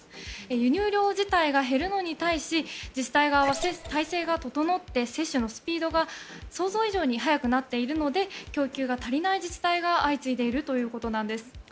輸入量自体が減るのに対し自治体側は体制が整って接種のスピードが想像以上に早くなっているので供給が足りない自治体が相次いでいるということなんです。